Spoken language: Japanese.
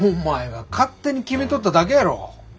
お前が勝手に決めとっただけやろ。